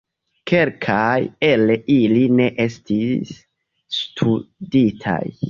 Kelkaj el ili ne estis studitaj.